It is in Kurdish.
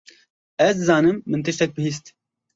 Ez dizanim min tiştek bihîst.